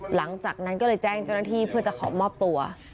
หลังจากนั้นก็เลยแจ้งเจ้าหน้าที่เพื่อจะขอมอบตัว